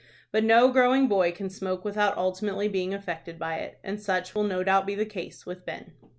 But no growing boy can smoke without ultimately being affected by it, and such will no doubt be the case with Ben.